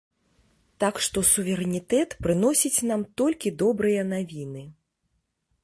Так што суверэнітэт прыносіць нам толькі добрыя навіны.